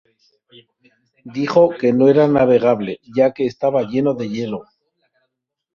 Dijo que no era navegable, ya que estaba lleno de hielo.